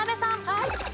はい。